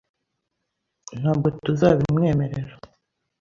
Ntabwo tuzabimwemerera .